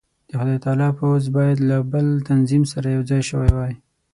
د خدای تعالی پوځ باید له بل تنظیم سره یو ځای شوی وای.